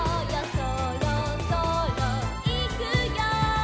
「そろそろいくよ」